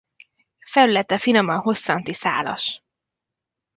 Felülete finoman hosszanti szálas.